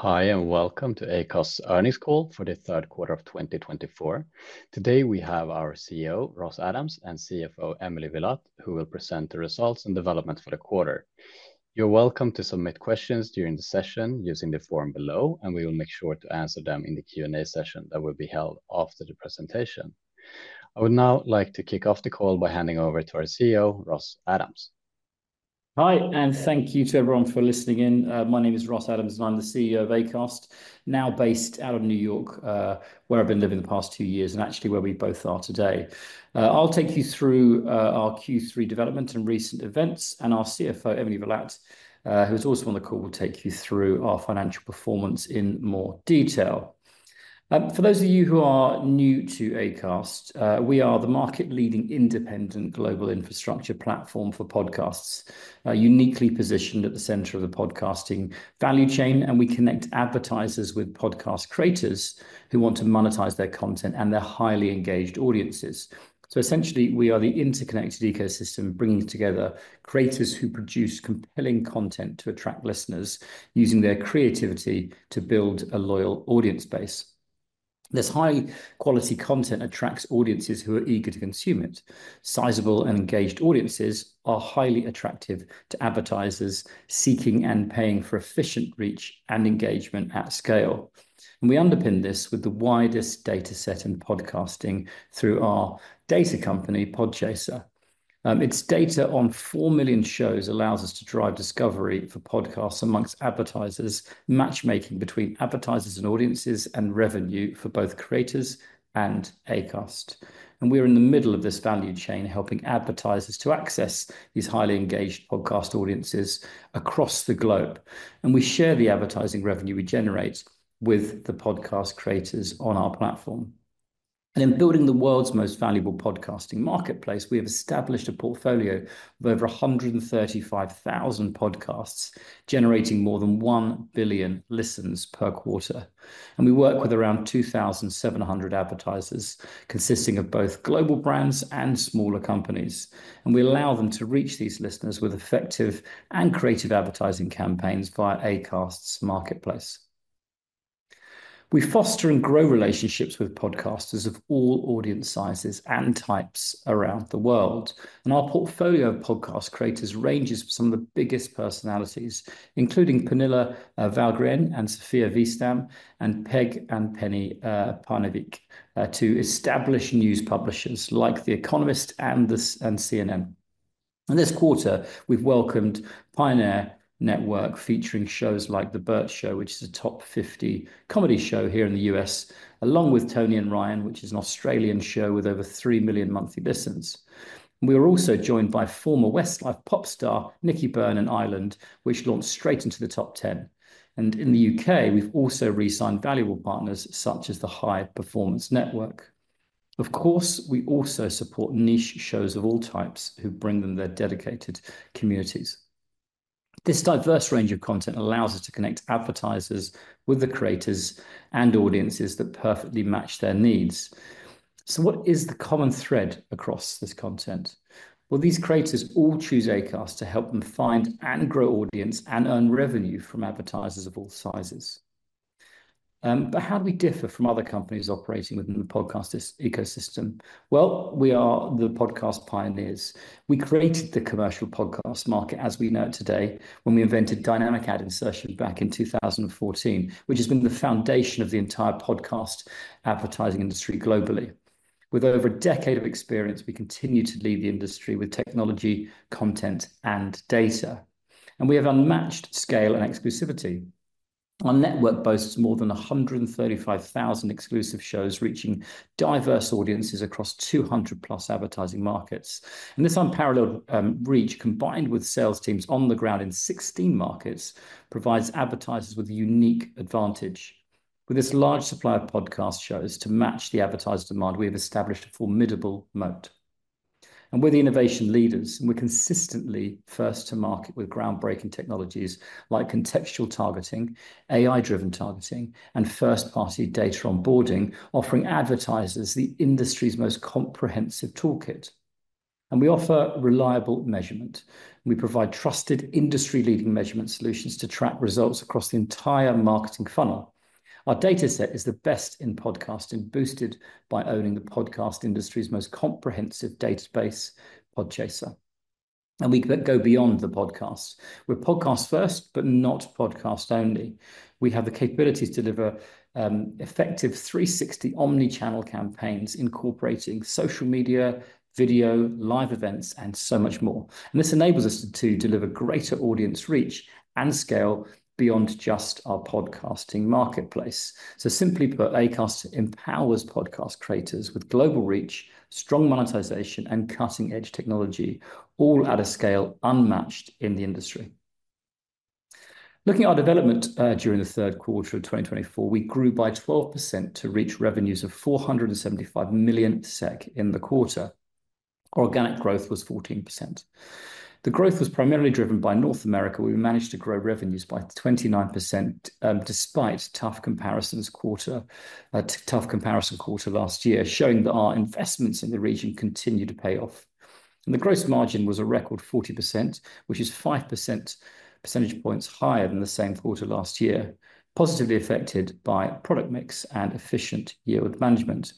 Hi, and welcome to Acast's earnings call for the third quarter of 2024. Today, we have our CEO, Ross Adams, and CFO, Emily Villatte, who will present the results and developments for the quarter. You're welcome to submit questions during the session using the form below, and we will make sure to answer them in the Q&A session that will be held after the presentation. I would now like to kick off the call by handing over to our CEO, Ross Adams. Hi, and thank you to everyone for listening in. My name is Ross Adams, and I'm the CEO of Acast, now based out of New York, where I've been living the past two years, and actually where we both are today. I'll take you through our Q3 developments and recent events, and our CFO, Emily Villatte, who is also on the call, will take you through our financial performance in more detail. For those of you who are new to Acast, we are the market-leading independent global infrastructure platform for podcasts, uniquely positioned at the center of the podcasting value chain, and we connect advertisers with podcast creators who want to monetize their content and their highly engaged audiences. So essentially, we are the interconnected ecosystem bringing together creators who produce compelling content to attract listeners using their creativity to build a loyal audience base. This high-quality content attracts audiences who are eager to consume it. Sizable and engaged audiences are highly attractive to advertisers seeking and paying for efficient reach and engagement at scale. And we underpin this with the widest data set in podcasting through our data company, Podchaser. Its data on four million shows allows us to drive discovery for podcasts among advertisers, matchmaking between advertisers and audiences, and revenue for both creators and Acast. And we are in the middle of this value chain, helping advertisers to access these highly engaged podcast audiences across the globe. And we share the advertising revenue we generate with the podcast creators on our platform. And in building the world's most valuable podcasting marketplace, we have established a portfolio of over 135,000 podcasts, generating more than one billion listens per quarter. We work with around 2,700 advertisers consisting of both global brands and smaller companies. We allow them to reach these listeners with effective and creative advertising campaigns via Acast's marketplace. We foster and grow relationships with podcasters of all audience sizes and types around the world. Our portfolio of podcast creators ranges from some of the biggest personalities, including Pernilla Wahlgren and Sofia Wistam, and Peg and Penny Parnevik, to established news publishers like The Economist and CNN. This quarter, we've welcomed Pioneer Network, featuring shows like The Bert Show, which is a top 50 comedy show here in the U.S., along with Tony & Ryan, which is an Australian show with over 3 million monthly listens. We are also joined by former Westlife pop star Nicky Byrne in Ireland, which launched straight into the top 10. In the U.K., we've also re-signed valuable partners such as the High Performance Network. Of course, we also support niche shows of all types who bring them their dedicated communities. This diverse range of content allows us to connect advertisers with the creators and audiences that perfectly match their needs. What is the common thread across this content? These creators all choose Acast to help them find and grow audience and earn revenue from advertisers of all sizes. How do we differ from other companies operating within the podcast ecosystem? We are the podcast pioneers. We created the commercial podcast market as we know it today when we invented dynamic ad insertion back in 2014, which has been the foundation of the entire podcast advertising industry globally. With over a decade of experience, we continue to lead the industry with technology, content, and data. And we have unmatched scale and exclusivity. Our network boasts more than 135,000 exclusive shows reaching diverse audiences across 200 plus advertising markets. And this unparalleled reach, combined with sales teams on the ground in 16 markets, provides advertisers with a unique advantage. With this large supply of podcast shows to match the advertiser demand, we have established a formidable moat. And we're the innovation leaders, and we're consistently first to market with groundbreaking technologies like contextual targeting, AI-driven targeting, and first-party data onboarding, offering advertisers the industry's most comprehensive toolkit. And we offer reliable measurement. We provide trusted industry-leading measurement solutions to track results across the entire marketing funnel. Our data set is the best in podcasting, boosted by owning the podcast industry's most comprehensive database, Podchaser. And we go beyond the podcast. We're podcast first, but not podcast only. We have the capabilities to deliver effective 360 omnichannel campaigns incorporating social media, video, live events, and so much more, and this enables us to deliver greater audience reach and scale beyond just our podcasting marketplace, so simply put, Acast empowers podcast creators with global reach, strong monetization, and cutting-edge technology, all at a scale unmatched in the industry, looking at our development during the third quarter of 2024, we grew by 12% to reach revenues of 475 million SEK in the quarter. Organic growth was 14%. The growth was primarily driven by North America, where we managed to grow revenues by 29% despite tough comparisons quarter last year, showing that our investments in the region continue to pay off, and the gross margin was a record 40%, which is 5 percentage points higher than the same quarter last year, positively affected by product mix and efficient yield management.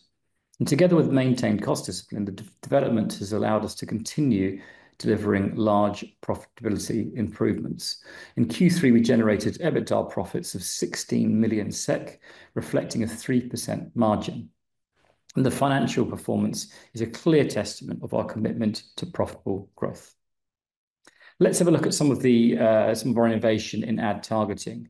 Together with maintained cost discipline, the development has allowed us to continue delivering large profitability improvements. In Q3, we generated EBITDA profits of 16 million SEK, reflecting a 3% margin. The financial performance is a clear testament of our commitment to profitable growth. Let's have a look at some of our innovation in ad targeting.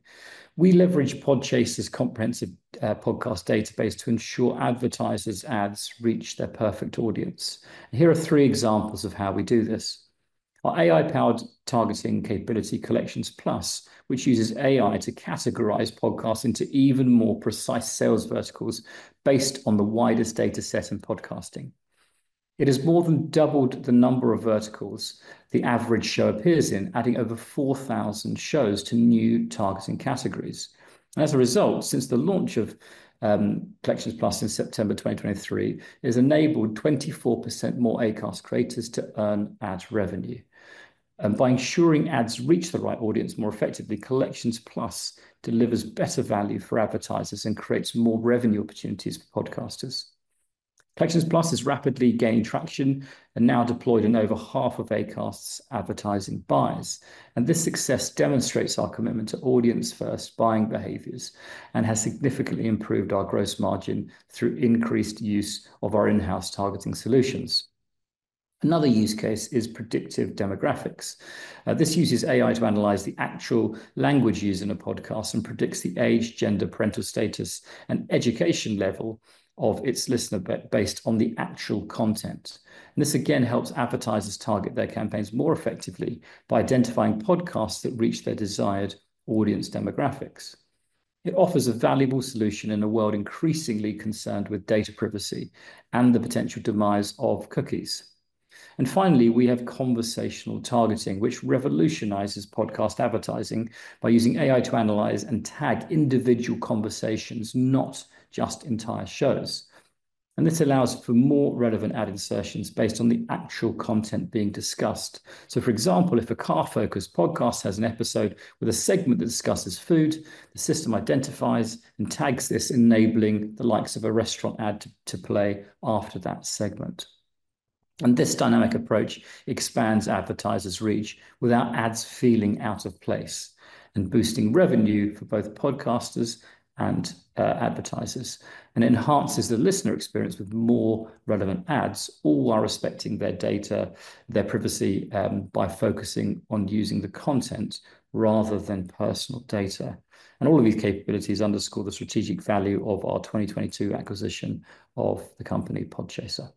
We leverage Podchaser's comprehensive podcast database to ensure advertisers' ads reach their perfect audience. Here are three examples of how we do this. Our AI-powered targeting capability, Collections Plus, which uses AI to categorize podcasts into even more precise sales verticals based on the widest data set in podcasting. It has more than doubled the number of verticals the average show appears in, adding over 4,000 shows to new targeting categories. And as a result, since the launch of Collections Plus in September 2023, it has enabled 24% more Acast creators to earn ad revenue. By ensuring ads reach the right audience more effectively, Collections Plus delivers better value for advertisers and creates more revenue opportunities for podcasters. Collections Plus has rapidly gained traction and now deployed in over half of Acast's advertising buyers. And this success demonstrates our commitment to audience-first buying behaviors and has significantly improved our gross margin through increased use of our in-house targeting solutions. Another use case is Predictive Demographics. This uses AI to analyze the actual language used in a podcast and predicts the age, gender, parental status, and education level of its listener based on the actual content. And this again helps advertisers target their campaigns more effectively by identifying podcasts that reach their desired audience demographics. It offers a valuable solution in a world increasingly concerned with data privacy and the potential demise of cookies. And finally, we have Conversational Targeting, which revolutionizes podcast advertising by using AI to analyze and tag individual conversations, not just entire shows. And this allows for more relevant ad insertions based on the actual content being discussed. So for example, if a car-focused podcast has an episode with a segment that discusses food, the system identifies and tags this, enabling the likes of a restaurant ad to play after that segment. And this dynamic approach expands advertisers' reach without ads feeling out of place and boosting revenue for both podcasters and advertisers. And it enhances the listener experience with more relevant ads, all while respecting their data, their privacy by focusing on using the content rather than personal data. And all of these capabilities underscore the strategic value of our 2022 acquisition of the company Podchaser.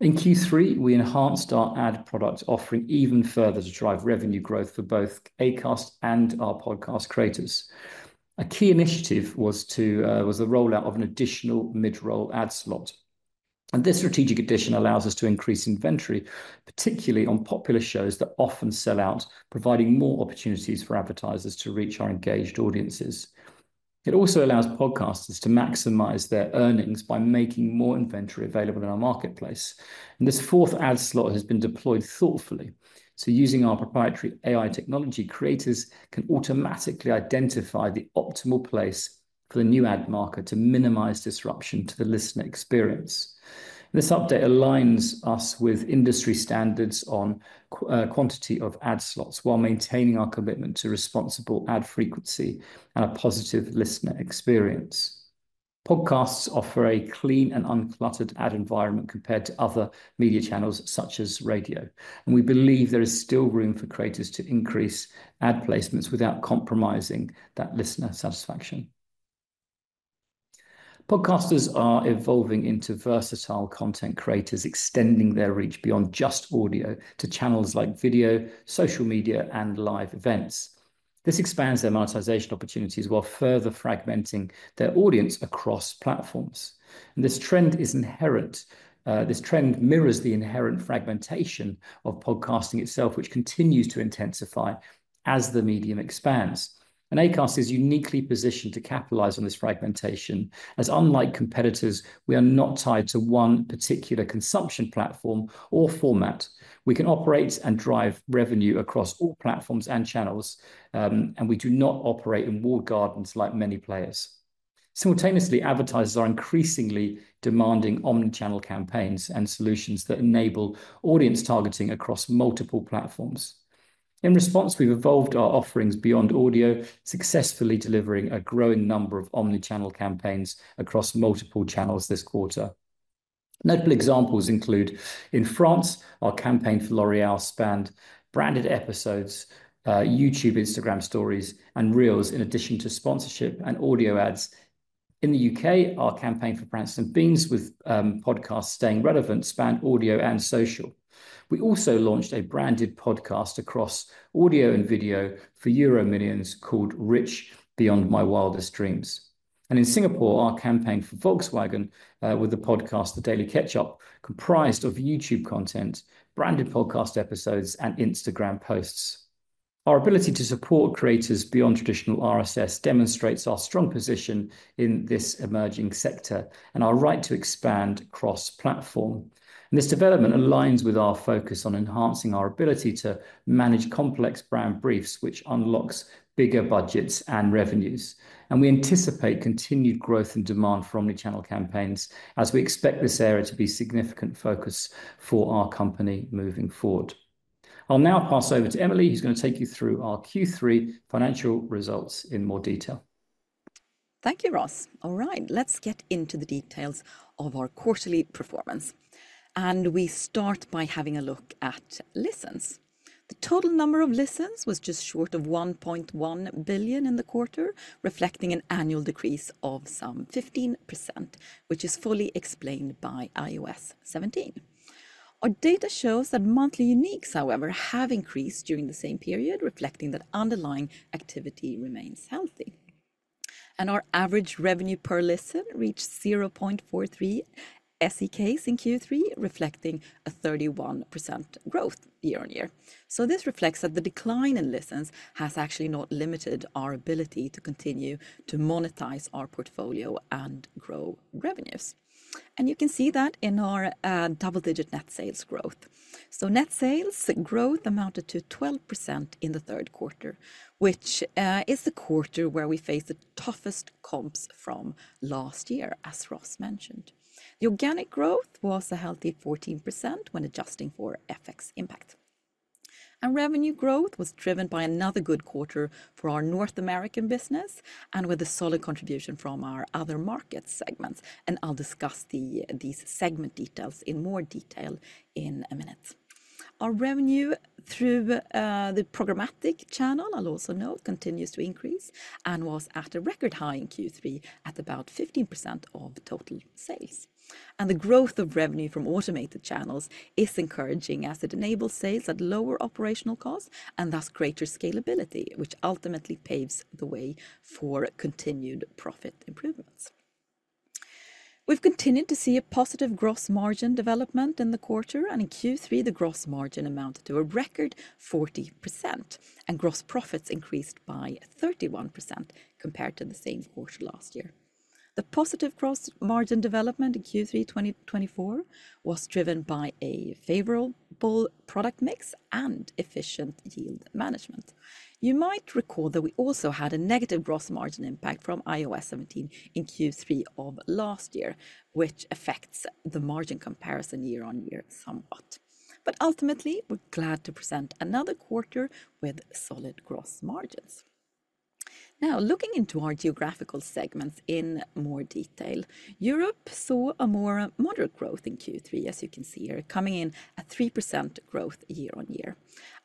In Q3, we enhanced our ad product, offering even further to drive revenue growth for both Acast and our podcast creators. A key initiative was the rollout of an additional mid-roll ad slot. And this strategic addition allows us to increase inventory, particularly on popular shows that often sell out, providing more opportunities for advertisers to reach our engaged audiences. It also allows podcasters to maximize their earnings by making more inventory available in our marketplace. And this fourth ad slot has been deployed thoughtfully. So using our proprietary AI technology, creators can automatically identify the optimal place for the new ad slot to minimize disruption to the listener experience. This update aligns us with industry standards on quantity of ad slots while maintaining our commitment to responsible ad frequency and a positive listener experience. Podcasts offer a clean and uncluttered ad environment compared to other media channels such as radio, and we believe there is still room for creators to increase ad placements without compromising that listener satisfaction. Podcasters are evolving into versatile content creators, extending their reach beyond just audio to channels like video, social media, and live events. This expands their monetization opportunities while further fragmenting their audience across platforms, and this trend is inherent. This trend mirrors the inherent fragmentation of podcasting itself, which continues to intensify as the medium expands, and Acast is uniquely positioned to capitalize on this fragmentation, as unlike competitors, we are not tied to one particular consumption platform or format. We can operate and drive revenue across all platforms and channels, and we do not operate in walled gardens like many players. Simultaneously, advertisers are increasingly demanding omnichannel campaigns and solutions that enable audience targeting across multiple platforms. In response, we've evolved our offerings beyond audio, successfully delivering a growing number of omnichannel campaigns across multiple channels this quarter. Notable examples include, in France, our campaign for L'Oréal spanned branded episodes, YouTube, Instagram Stories, and Reels in addition to sponsorship and audio ads. In the U.K., our campaign for Branston, with podcast Staying Relevant, spanned audio and social. We also launched a branded podcast across audio and video for EuroMillions called Rich Beyond My Wildest Dreams, and in Singapore, our campaign for Volkswagen with the podcast The Daily Ketchup comprised of YouTube content, branded podcast episodes, and Instagram posts. Our ability to support creators beyond traditional RSS demonstrates our strong position in this emerging sector and our right to expand cross-platform, and this development aligns with our focus on enhancing our ability to manage complex brand briefs, which unlocks bigger budgets and revenues, and we anticipate continued growth in demand for omnichannel campaigns as we expect this area to be a significant focus for our company moving forward. I'll now pass over to Emily, who's going to take you through our Q3 financial results in more detail. Thank you, Ross. All right, let's get into the details of our quarterly performance, and we start by having a look at listens. The total number of listens was just short of 1.1 billion in the quarter, reflecting an annual decrease of some 15%, which is fully explained by iOS 17. Our data shows that monthly uniques, however, have increased during the same period, reflecting that underlying activity remains healthy, and our average revenue per listen reached 0.43 SEK in Q3, reflecting a 31% growth year-on-year, so this reflects that the decline in listens has actually not limited our ability to continue to monetize our portfolio and grow revenues, and you can see that in our double-digit net sales growth, so net sales growth amounted to 12% in the third quarter, which is the quarter where we faced the toughest comps from last year, as Ross mentioned. The organic growth was a healthy 14% when adjusting for FX impact, and revenue growth was driven by another good quarter for our North American business and with a solid contribution from our other market segments, and I'll discuss these segment details in more detail in a minute. Our revenue through the programmatic channel, I'll also note, continues to increase and was at a record high in Q3 at about 15% of total sales. And the growth of revenue from automated channels is encouraging as it enables sales at lower operational costs and thus greater scalability, which ultimately paves the way for continued profit improvements. We've continued to see a positive gross margin development in the quarter. And in Q3, the gross margin amounted to a record 40% and gross profits increased by 31% compared to the same quarter last year. The positive gross margin development in Q3 2024 was driven by a favorable product mix and efficient yield management. You might recall that we also had a negative gross margin impact from iOS 17 in Q3 of last year, which affects the margin comparison year-on-year somewhat. But ultimately, we're glad to present another quarter with solid gross margins. Now, looking into our geographical segments in more detail, Europe saw a more moderate growth in Q3, as you can see here, coming in at 3% growth year-on-year.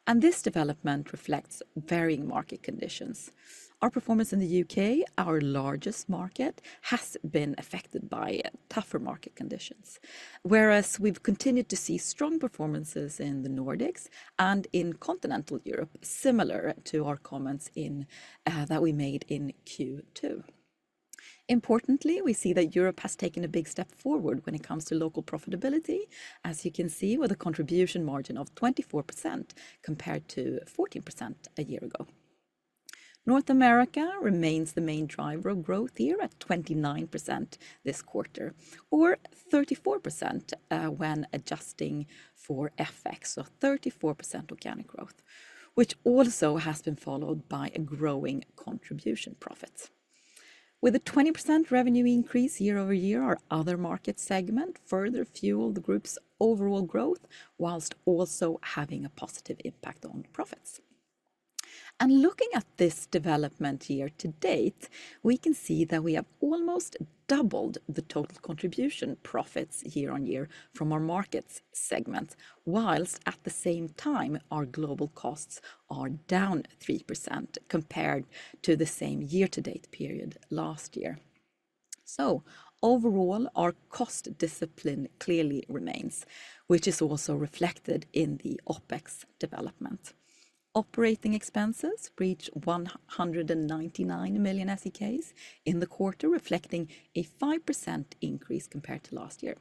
And this development reflects varying market conditions. Our performance in the U.K., our largest market, has been affected by tougher market conditions, whereas we've continued to see strong performances in the Nordics and in continental Europe, similar to our comments that we made in Q2. Importantly, we see that Europe has taken a big step forward when it comes to local profitability, as you can see with a contribution margin of 24% compared to 14% a year ago. North America remains the main driver of growth here at 29% this quarter, or 34% when adjusting for FX, so 34% organic growth, which also has been followed by a growing contribution profits. With a 20% revenue increase year-over-year, our other market segment further fueled the group's overall growth, while also having a positive impact on profits, and looking at this development year to date, we can see that we have almost doubled the total contribution profits year-on-year from our markets segment, while at the same time, our global costs are down 3% compared to the same year-to-date period last year. Overall, our cost discipline clearly remains, which is also reflected in the OpEx development. Operating expenses reached 199 million SEK in the quarter, reflecting a 5% increase compared to last year.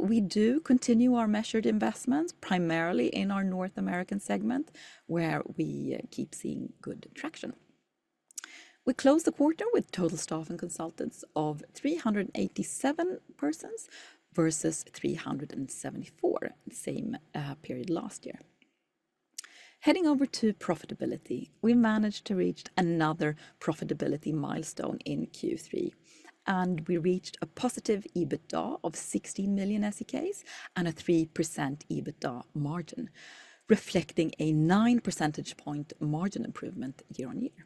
We do continue our measured investments primarily in our North American segment, where we keep seeing good traction. We closed the quarter with total staff and consultants of 387 persons versus 374 the same period last year. Heading over to profitability, we managed to reach another profitability milestone in Q3, and we reached a positive EBITDA of 16 million SEK and a 3% EBITDA margin, reflecting a 9 percentage point margin improvement year-on-year.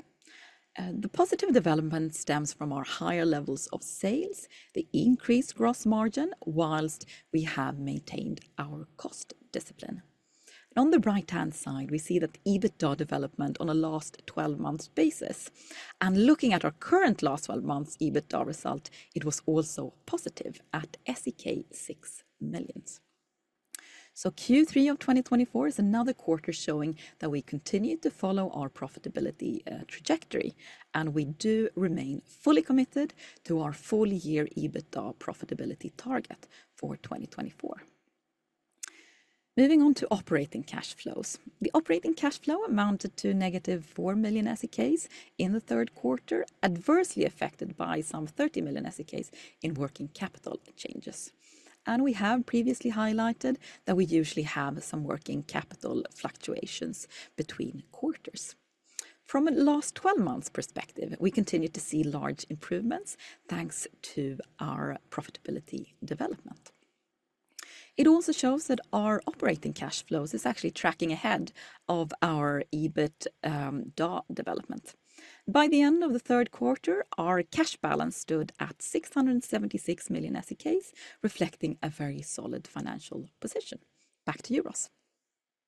The positive development stems from our higher levels of sales, the increased gross margin, while we have maintained our cost discipline. On the right-hand side, we see that EBITDA development on a last 12-month basis. Looking at our current last 12-month EBITDA result, it was also positive at SEK 6 million. Q3 of 2024 is another quarter showing that we continue to follow our profitability trajectory, and we do remain fully committed to our full-year EBITDA profitability target for 2024. Moving on to operating cash flows. The operating cash flow amounted to negative 4 million SEK in the third quarter, adversely affected by some 30 million SEK in working capital changes. And we have previously highlighted that we usually have some working capital fluctuations between quarters. From a last 12-month perspective, we continue to see large improvements thanks to our profitability development. It also shows that our operating cash flows are actually tracking ahead of our EBITDA development. By the end of the third quarter, our cash balance stood at 676 million SEK, reflecting a very solid financial position. Back to you, Ross.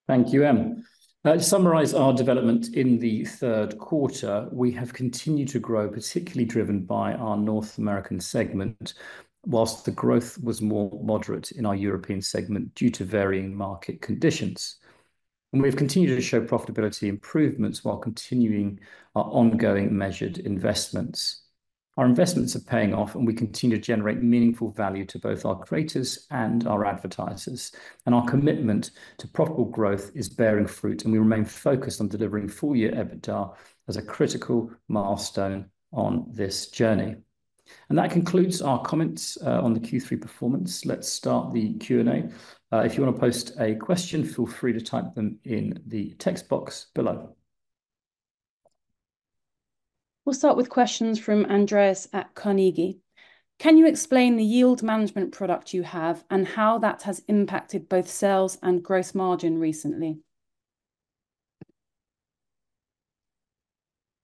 Thank you, Em. To summarize our development in the third quarter, we have continued to grow, particularly driven by our North American segment, while the growth was more moderate in our European segment due to varying market conditions, and we have continued to show profitability improvements while continuing our ongoing measured investments. Our investments are paying off, and we continue to generate meaningful value to both our creators and our advertisers, and our commitment to profitable growth is bearing fruit, and we remain focused on delivering full-year EBITDA as a critical milestone on this journey, and that concludes our comments on the Q3 performance. Let's start the Q&A. If you want to post a question, feel free to type them in the text box below. We'll start with questions from Andreas at Carnegie. Can you explain the yield management product you have and how that has impacted both sales and gross margin recently?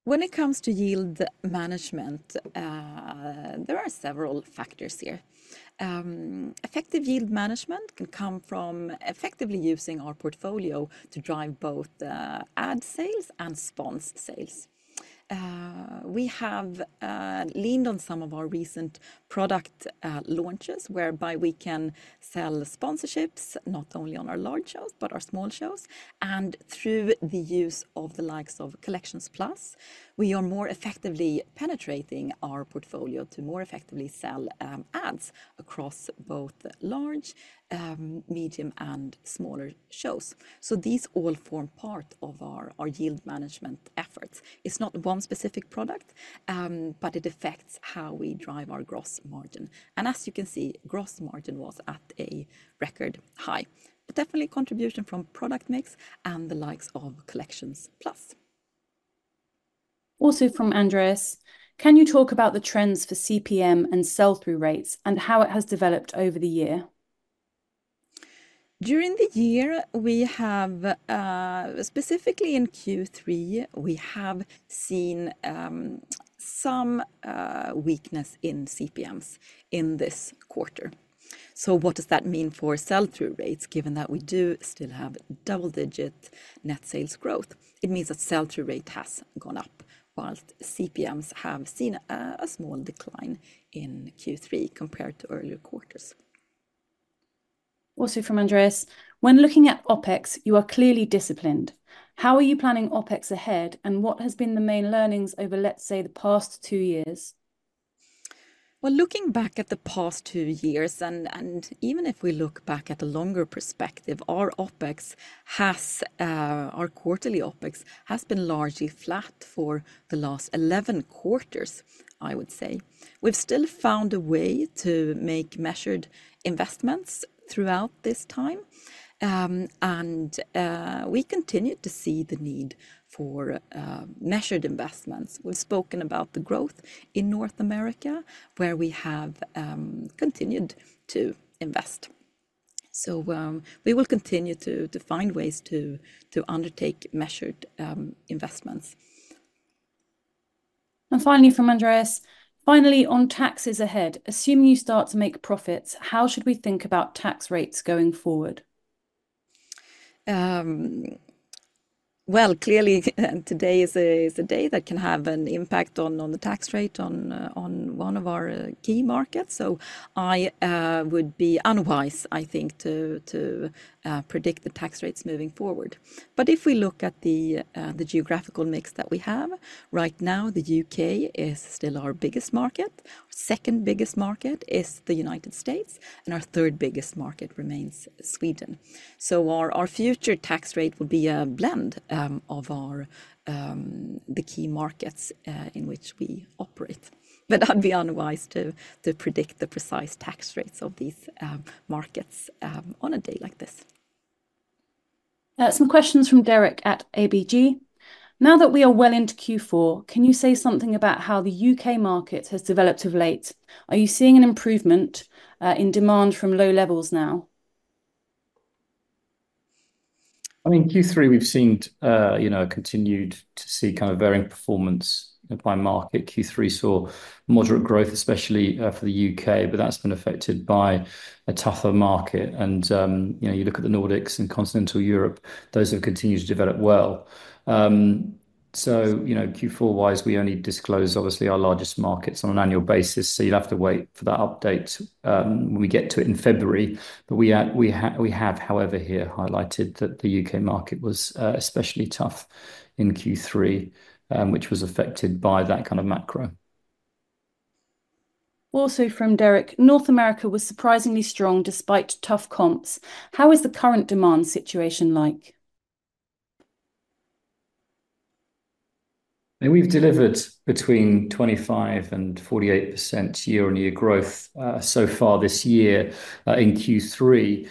When it comes to yield management, there are several factors here. Effective yield management can come from effectively using our portfolio to drive both ad sales and sponsor sales. We have leaned on some of our recent product launches whereby we can sell sponsorships not only on our large shows but our small shows, and through the use of the likes of Collections Plus, we are more effectively penetrating our portfolio to more effectively sell ads across both large, medium, and smaller shows, so these all form part of our yield management efforts. It's not one specific product, but it affects how we drive our gross margin, and as you can see, gross margin was at a record high, but definitely contribution from product mix and the likes of Collections Plus. Also from Andreas, can you talk about the trends for CPM and sell-through rates and how it has developed over the year? During the year, we have, specifically in Q3, we have seen some weakness in CPMs in this quarter. So what does that mean for sell-through rates, given that we do still have double-digit net sales growth? It means that sell-through rate has gone up, whilst CPMs have seen a small decline in Q3 compared to earlier quarters. Also from Andreas, when looking at OpEx, you are clearly disciplined. How are you planning OpEx ahead and what has been the main learnings over, let's say, the past two years? Well, looking back at the past two years, and even if we look back at a longer perspective, our OpEx, our quarterly OpEx, has been largely flat for the last 11 quarters, I would say. We've still found a way to make measured investments throughout this time, and we continue to see the need for measured investments. We've spoken about the growth in North America, where we have continued to invest, so we will continue to find ways to undertake measured investments, and finally, from Andreas, finally on taxes ahead, assuming you start to make profits, how should we think about tax rates going forward? well, clearly, today is a day that can have an impact on the tax rate on one of our key markets, so I would be unwise, I think, to predict the tax rates moving forward, but if we look at the geographical mix that we have, right now, the U.K. is still our biggest market. Our second biggest market is the United States, and our third biggest market remains Sweden. Our future tax rate will be a blend of the key markets in which we operate. But I'd be unwise to predict the precise tax rates of these markets on a day like this. Some questions from Derek at ABG. Now that we are well into Q4, can you say something about how the U.K. market has developed of late? Are you seeing an improvement in demand from low levels now? I mean, Q3, we've continued to see kind of varying performance by market. Q3 saw moderate growth, especially for the U.K., but that's been affected by a tougher market. And you look at the Nordics and continental Europe, those have continued to develop well. So Q4-wise, we only disclose, obviously, our largest markets on an annual basis. So you'll have to wait for that update when we get to it in February. But we have, however, here highlighted that the U.K. market was especially tough in Q3, which was affected by that kind of macro. Also from Derek, North America was surprisingly strong despite tough comps. How is the current demand situation like? We've delivered between 25% and 48% year-on-year growth so far this year in Q3.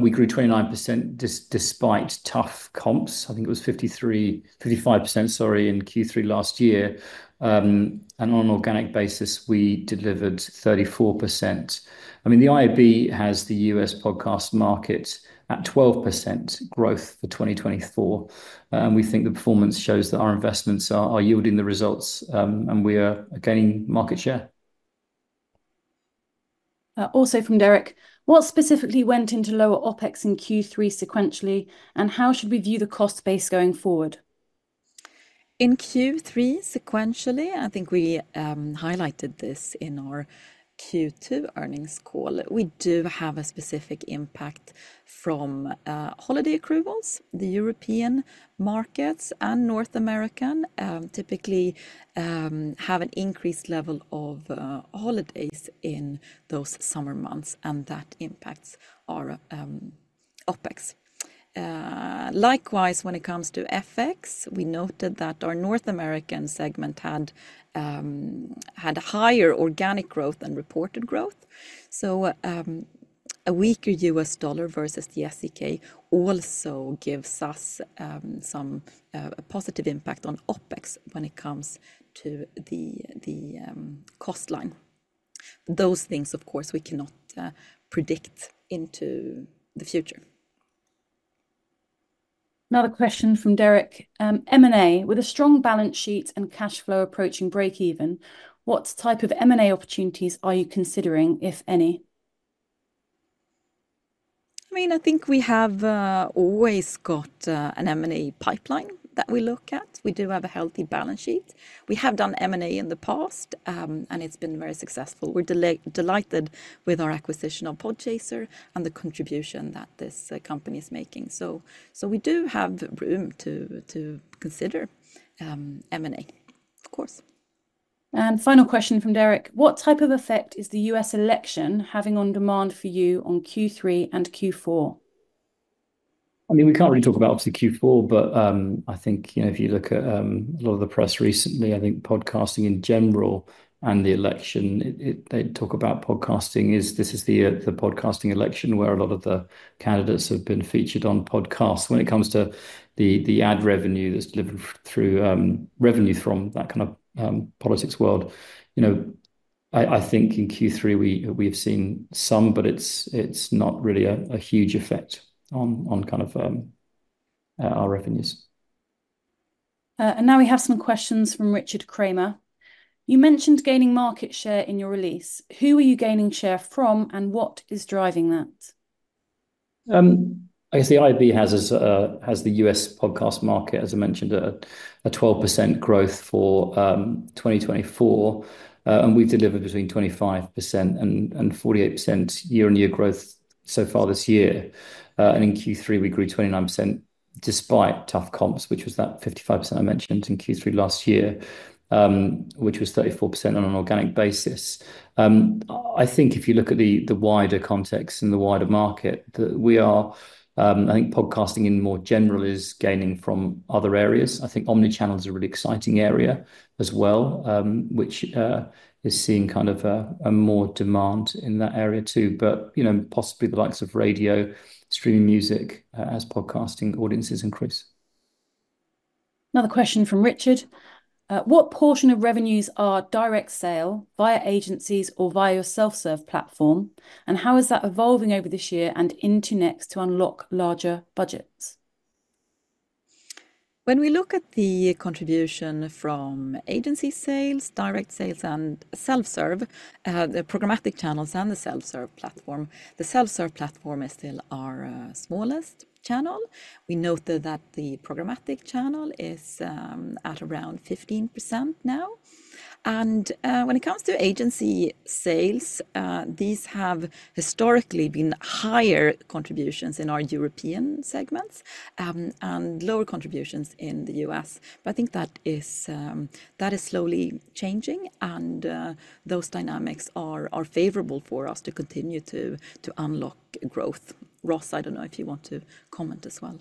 We grew 29% despite tough comps. I think it was 55%, sorry, in Q3 last year. And on an organic basis, we delivered 34%. I mean, the IAB has the U.S. podcast market at 12% growth for 2024. And we think the performance shows that our investments are yielding the results, and we are gaining market share. Also from Derek, what specifically went into lower OpEx in Q3 sequentially, and how should we view the cost base going forward? In Q3 sequentially, I think we highlighted this in our Q2 earnings call. We do have a specific impact from holiday accruals. The European markets and North America typically have an increased level of holidays in those summer months, and that impacts our OpEx. Likewise, when it comes to FX, we noted that our North American segment had a higher organic growth than reported growth. So a weaker U.S. dollar versus the SEK also gives us some positive impact on OpEx when it comes to the cost line. Those things, of course, we cannot predict into the future. Another question from Derek. M&A, with a strong balance sheet and cash flow approaching break-even, what type of M&A opportunities are you considering, if any? I mean, I think we have always got an M&A pipeline that we look at. We do have a healthy balance sheet. We have done M&A in the past, and it's been very successful. We're delighted with our acquisition of Podchaser and the contribution that this company is making. So we do have room to consider M&A, of course. And final question from Derek. What type of effect is the U.S. election having on demand for you on Q3 and Q4? I mean, we can't really talk about obviously Q4, but I think if you look at a lot of the press recently, I think podcasting in general and the election, they talk about podcasting. This is the podcasting election where a lot of the candidates have been featured on podcasts when it comes to the ad revenue that's delivered through revenue from that kind of politics world. I think in Q3, we have seen some, but it's not really a huge effect on kind of our revenues. And now we have some questions from Richard Kramer. You mentioned gaining market share in your release. Who are you gaining share from, and what is driving that? I guess the IAB has the U.S. podcast market, as I mentioned, a 12% growth for 2024. We've delivered between 25% and 48% year-on-year growth so far this year. In Q3, we grew 29% despite tough comps, which was that 55% I mentioned in Q3 last year, which was 34% on an organic basis. I think if you look at the wider context and the wider market, podcasting in more general is gaining from other areas. Omnichannel is a really exciting area as well, which is seeing kind of a more demand in that area too, but possibly the likes of radio, streaming music as podcasting audiences increase. Another question from Richard. What portion of revenues are direct sale via agencies or via your self-serve platform? And how is that evolving over this year and into next to unlock larger budgets? When we look at the contribution from agency sales, direct sales, and self-serve, the programmatic channels and the self-serve platform, the self-serve platform is still our smallest channel. We note that the programmatic channel is at around 15% now. And when it comes to agency sales, these have historically been higher contributions in our European segments and lower contributions in the U.S.. But I think that is slowly changing, and those dynamics are favorable for us to continue to unlock growth. Ross, I don't know if you want to comment as well.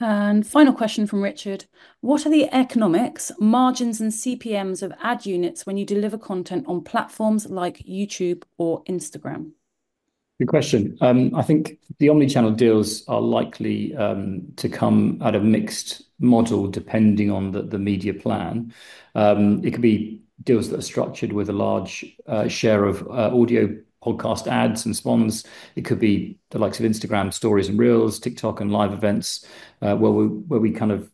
And final question from Richard. What are the economics, margins, and CPMs of ad units when you deliver content on platforms like YouTube or Instagram? Good question. I think the omnichannel deals are likely to come at a mixed model depending on the media plan. It could be deals that are structured with a large share of audio podcast ads and sponsorships. It could be the likes of Instagram stories and reels, TikTok and live events where we kind of,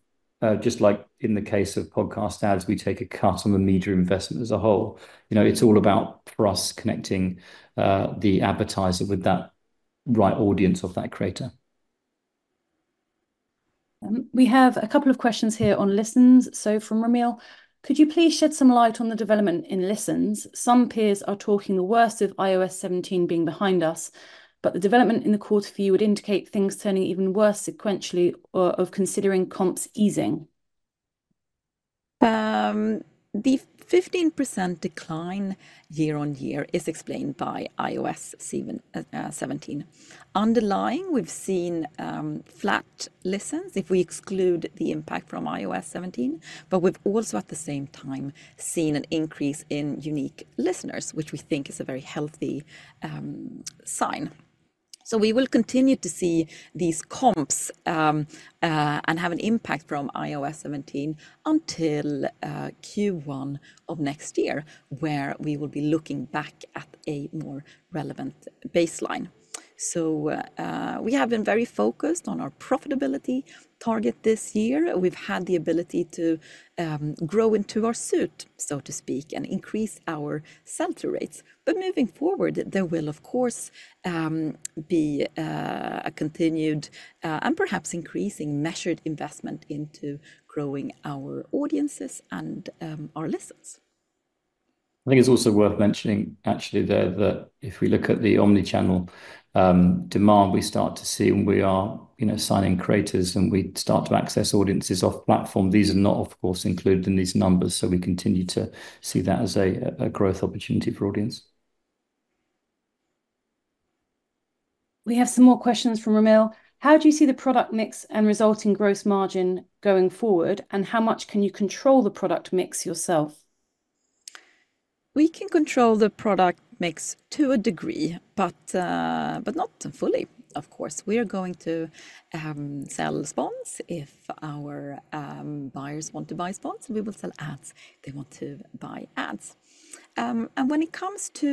just like in the case of podcast ads, we take a cut on the media investment as a whole. It's all about for us connecting the advertiser with that right audience of that creator. We have a couple of questions here on listens. So from Romeo, could you please shed some light on the development in listens? Some peers are talking the worst of iOS 17 being behind us, but the development in the quarter for you would indicate things turning even worse sequentially of considering comps easing. The 15% decline year-on-year is explained by iOS 17. Underlying, we've seen flat listens if we exclude the impact from iOS 17, but we've also at the same time seen an increase in unique listeners, which we think is a very healthy sign. So we will continue to see these comps and have an impact from iOS 17 until Q1 of next year, where we will be looking back at a more relevant baseline. So we have been very focused on our profitability target this year. We've had the ability to grow into our suit, so to speak, and increase our sell-through rates. But moving forward, there will of course be a continued and perhaps increasing measured investment into growing our audiences and our listens. I think it's also worth mentioning, actually, there that if we look at the omnichannel demand we start to see when we are signing creators and we start to access audiences off-platform, these are not of course included in these numbers. So we continue to see that as a growth opportunity for audience. We have some more questions from Romeo. How do you see the product mix and resulting gross margin going forward, and how much can you control the product mix yourself? We can control the product mix to a degree, but not fully, of course. We are going to sell sponsorships if our buyers want to buy sponsorships. We will sell ads if they want to buy ads. And when it comes to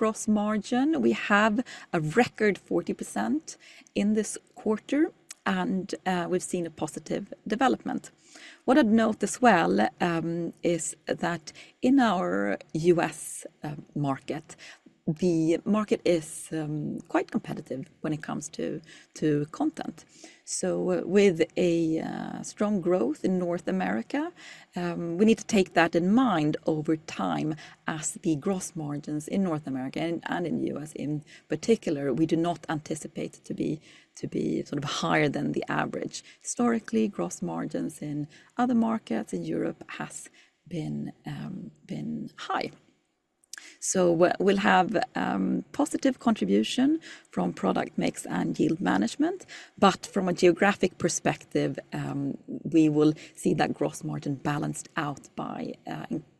gross margin, we have a record 40% in this quarter, and we've seen a positive development. What I'd note as well is that in our U.S. market, the market is quite competitive when it comes to content. So with a strong growth in North America, we need to take that in mind over time as the gross margins in North America and in the U.S. in particular, we do not anticipate to be sort of higher than the average. Historically, gross margins in other markets in Europe have been high. So we'll have positive contribution from product mix and yield management, but from a geographic perspective, we will see that gross margin balanced out by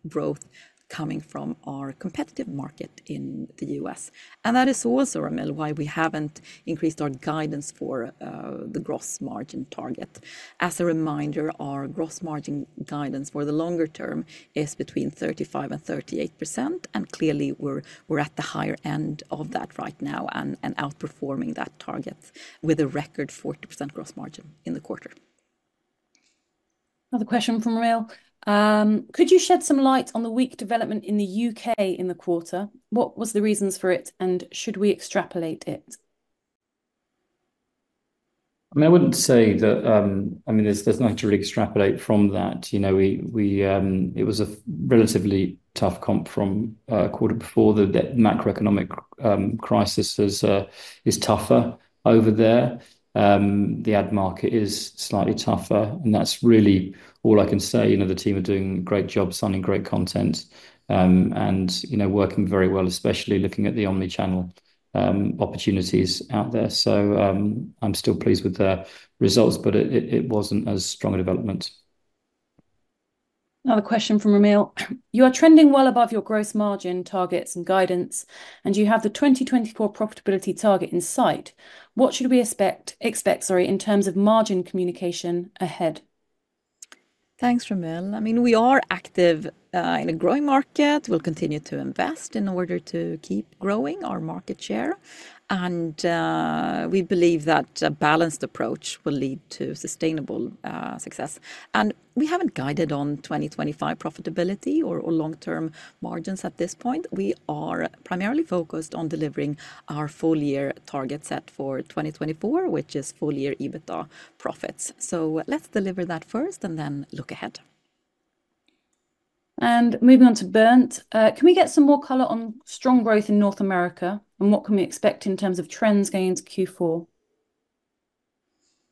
growth coming from our competitive market in the U.S. And that is also, Romeo, why we haven't increased our guidance for the gross margin target. As a reminder, our gross margin guidance for the longer term is between 35% and 38%, and clearly we're at the higher end of that right now and outperforming that target with a record 40% gross margin in the quarter. Another question from Romeo. Could you shed some light on the weak development in the U.K. in the quarter? What was the reasons for it, and should we extrapolate it? I mean, I wouldn't say that, I mean, there's nothing to really extrapolate from that. It was a relatively tough comp from quarter before. The macroeconomic crisis is tougher over there. The ad market is slightly tougher, and that's really all I can say. The team are doing a great job, signing great content, and working very well, especially looking at the omnichannel opportunities out there. So I'm still pleased with the results, but it wasn't as strong a development. Another question from Romeo. You are trending well above your gross margin targets and guidance, and you have the 2024 profitability target in sight. What should we expect in terms of margin communication ahead? Thanks, Romeo. I mean, we are active in a growing market. We'll continue to invest in order to keep growing our market share. And we believe that a balanced approach will lead to sustainable success. And we haven't guided on 2025 profitability or long-term margins at this point. We are primarily focused on delivering our full-year target set for 2024, which is full-year EBITDA profits. So let's deliver that first and then look ahead. And moving on to Bernt, can we get some more color on strong growth in North America and what can we expect in terms of trends going into Q4?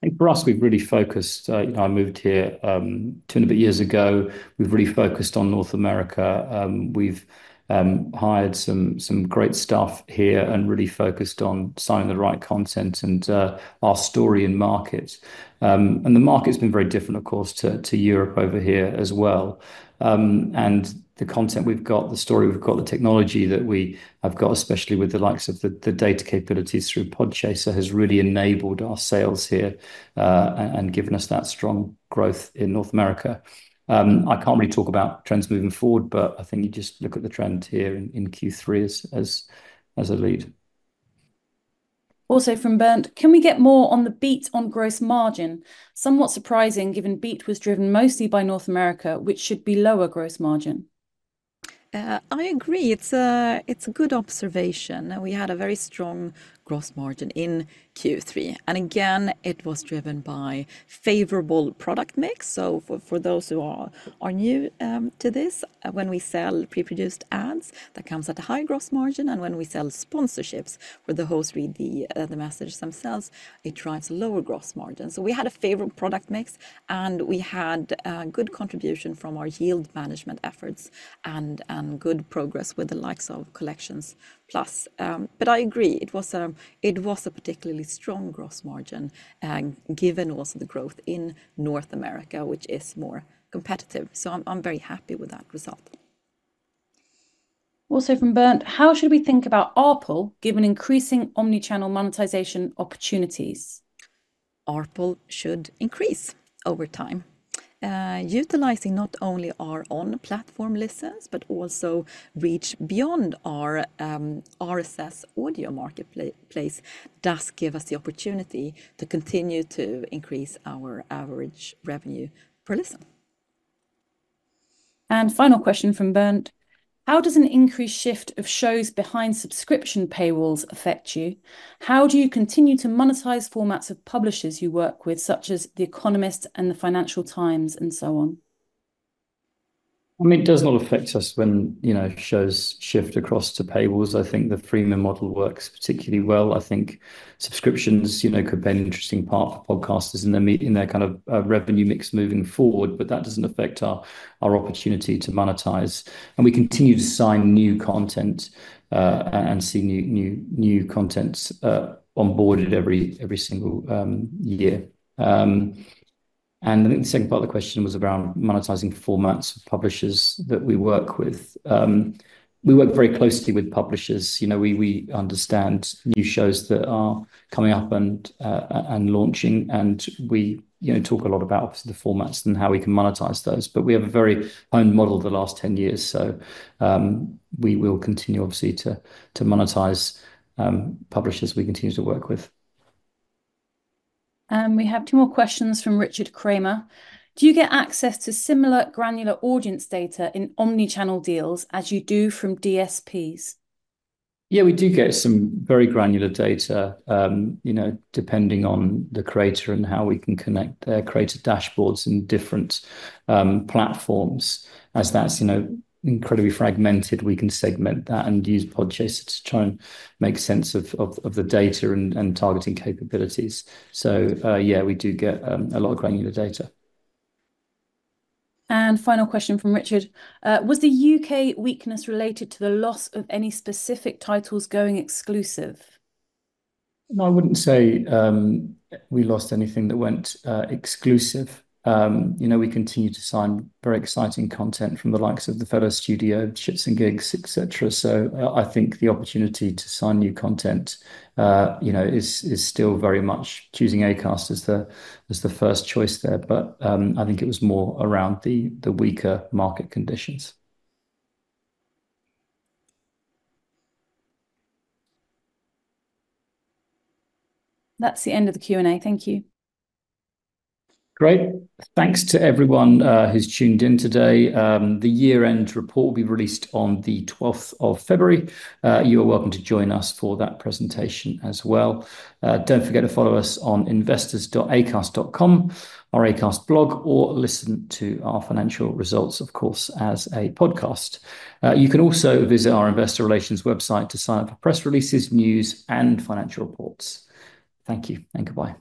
I think for us, we've really focused. I moved here two and a bit years ago. We've really focused on North America. We've hired some great staff here and really focused on signing the right content and our story in markets. The market's been very different, of course, to Europe over here as well. The content we've got, the story we've got, the technology that we have got, especially with the likes of the data capabilities through Podchaser, has really enabled our sales here and given us that strong growth in North America. I can't really talk about trends moving forward, but I think you just look at the trend here in Q3 as a lead. Also from Bernt, can we get more on the beat on gross margin? Somewhat surprising given beat was driven mostly by North America, which should be lower gross margin. I agree. It's a good observation. We had a very strong gross margin in Q3. And again, it was driven by favorable product mix. So for those who are new to this, when we sell pre-produced ads, that comes at a high gross margin. And when we sell sponsorships for the host, read the message themselves, it drives a lower gross margin. So we had a favorable product mix, and we had good contribution from our yield management efforts and good progress with the likes of Collections Plus. But I agree, it was a particularly strong gross margin given also the growth in North America, which is more competitive. So I'm very happy with that result. Also from Bernt, how should we think about ARPL given increasing omnichannel monetization opportunities? ARPL should increase over time. Utilizing not only our on-platform listens, but also reach beyond our RSS audio marketplace does give us the opportunity to continue to increase our average revenue per listen. And final question from Bernt, how does an increased shift of shows behind subscription paywalls affect you? How do you continue to monetize formats of publishers you work with, such as The Economist and The Financial Times and so on? I mean, it does not affect us when shows shift across to paywalls. I think the Freemium model works particularly well. I think subscriptions could be an interesting part for podcasters in their kind of revenue mix moving forward, but that doesn't affect our opportunity to monetize. And we continue to sign new content and see new content onboarded every single year. And I think the second part of the question was around monetizing formats of publishers that we work with. We work very closely with publishers. We understand new shows that are coming up and launching, and we talk a lot about the formats and how we can monetize those. But we have a very honed model the last 10 years, so we will continue obviously to monetize publishers we continue to work with. And we have two more questions from Richard Kramer. Do you get access to similar granular audience data in omnichannel deals as you do from DSPs? Yeah, we do get some very granular data depending on the creator and how we can connect their creator dashboards in different platforms. As that's incredibly fragmented, we can segment that and use Podchaser to try and make sense of the data and targeting capabilities. So yeah, we do get a lot of granular data. And final question from Richard. Was the U.K. weakness related to the loss of any specific titles going exclusive? No, I wouldn't say we lost anything that went exclusive. We continue to sign very exciting content from the likes of The Fellas Studios, ShxtsNGigs, etc. So I think the opportunity to sign new content is still very much choosing Acast as the first choice there, but I think it was more around the weaker market conditions. That's the end of the Q&A. Thank you. Great. Thanks to everyone who's tuned in today. The year-end report will be released on the 12th of February. You are welcome to join us for that presentation as well. Don't forget to follow us on investors.acast.com, our Acast blog, or listen to our financial results, of course, as a podcast. You can also visit our investor relations website to sign up for press releases, news, and financial reports. Thank you and goodbye.